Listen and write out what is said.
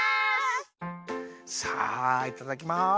さあいただきます。